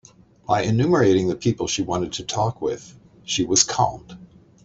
By enumerating the people she wanted to talk with, she was calmed.